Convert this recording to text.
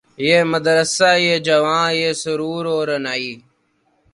یہ مدرسہ یہ جواں یہ سرور و رعنائی